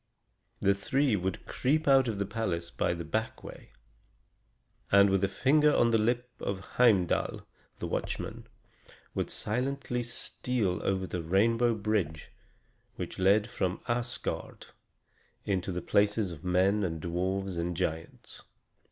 They three would creep out of the palace by the back way; and, with a finger on the lip to Heimdal, the watchman, would silently steal over the rainbow bridge which led from Asgard into the places of men and dwarfs and giants.